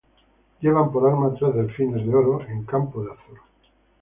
Llevan por armas tres delfines de oro en campo de azur.